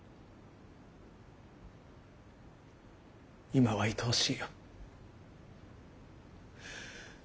今は愛おしいよ。